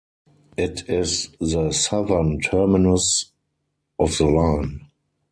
It is the southern terminus of the line.